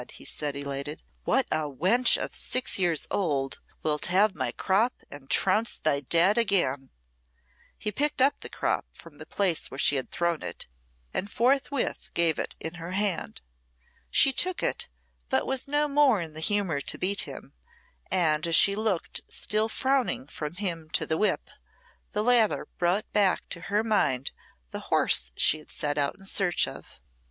he said, elated. "What a wench of six years old. Wilt have my crop and trounce thy Dad again!" He picked up the crop from the place where she had thrown it, and forthwith gave it in her hand. She took it, but was no more in the humour to beat him, and as she looked still frowning from him to the whip, the latter brought back to her mind the horse she had set out in search of.